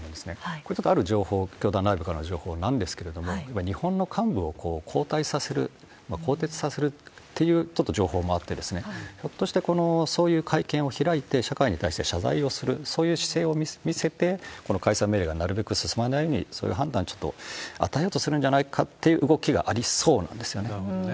これ、ちょっとある情報、教団内部からの情報なんですけれども、日本の幹部を交代させる、更迭させるっていう、ちょっと情報もあって、ひょっとして、このそういう会見を開いて、社会に対して謝罪をする、そういう姿勢を見せて、この解散命令がなるべく進まないように、そういう判断をちょっと与えようとするんじゃないかっていう動きなるほどね。